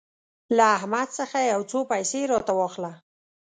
له احمد څخه يو څو پيسې راته واخله.